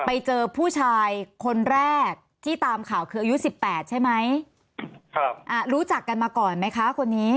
ไปเจอผู้ชายคนแรกที่ตามข่าวคืออายุสิบแปดใช่ไหมครับอ่ารู้จักกันมาก่อนไหมคะคนนี้